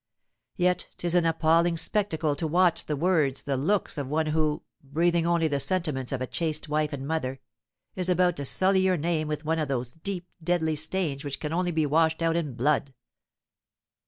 Yet 'tis an appalling spectacle to watch the words, the looks, of one who, breathing only the sentiments of a chaste wife and mother, is about to sully your name with one of those deep, deadly stains which can only be washed out in blood.